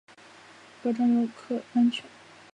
保障游客安全